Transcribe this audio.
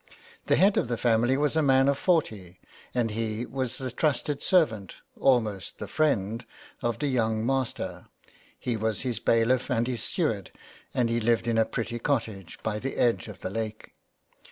The head of the family was a man of forty, and he was the trusted servant, almost the friend, of the young master, he was his bailiff and his steward, and he lived in a pretty cottage by the edge of the lake.